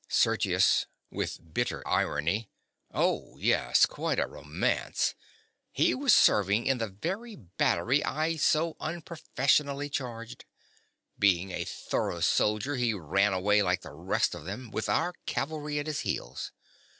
SERGIUS. (with bitter irony). Oh, yes, quite a romance. He was serving in the very battery I so unprofessionally charged. Being a thorough soldier, he ran away like the rest of them, with our cavalry at his heels.